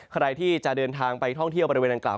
ใครที่จะเดินทางไปท่องเที่ยวบริเวณดังกล่า